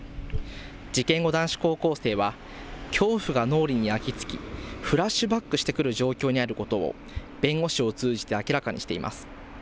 事件後、男子高校生は恐怖が脳裏に焼き付きフラッシュバックしてくる状況にあることを弁護士を通じて明らかにしています。